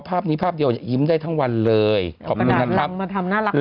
ภาพนี้ภาพเดียวยิ้มได้ทั้งวันเลยขอบคุณนะครับมาทำน่ารักนะครับ